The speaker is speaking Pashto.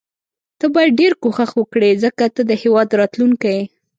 ته باید ډیر کوښښ وکړي ځکه ته د هیواد راتلوونکی یې.